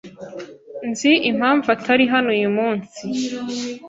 Nzi impamvu atari hano uyu munsi.